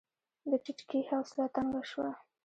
د ټيټکي حوصله تنګه شوه.